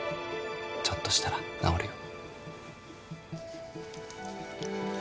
ちょっとしたら治るよ。